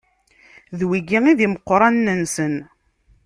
D wigi i d imeqranen-nsen.